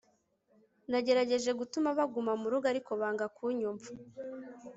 nagerageje gutuma baguma mu rugo, ariko banga kunyumva